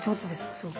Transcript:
すごく。